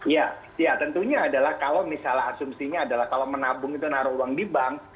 ya tentunya adalah kalau misalnya asumsinya adalah kalau menabung itu naruh uang di bank